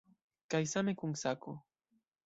Kaj same kun sako.